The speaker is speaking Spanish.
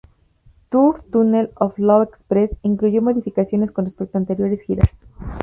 Tour, Tunnel of Love Express incluyó modificaciones con respecto a anteriores giras.